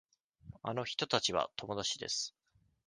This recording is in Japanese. あの人たちは友達です。